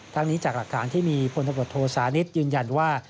ทั้งนี้จากหลักฐานที่มีพลตำรวจโทษานิทยืนยันว่า